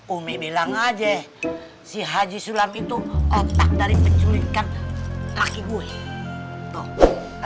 umi bilang aja si haji sulam itu otak dari penculikan kaki gue